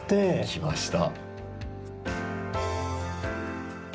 きました。